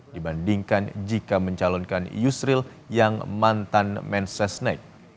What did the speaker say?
dibandingkan jika mencalonkan yusril yang mantan mensesnek